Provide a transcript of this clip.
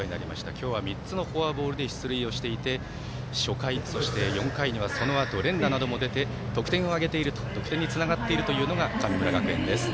今日は３つのフォアボールで出塁をしていて初回、そして４回にはそのあと連打なども出て得点につながっているというのが神村学園です。